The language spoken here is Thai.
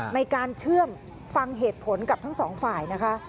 ในการเชื่อมฟังเหตุผลกับทั้งสองฝ่ายนะคะ